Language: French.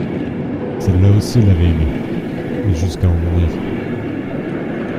Celle-là aussi l'avait aimé, et jusqu'à en mourir.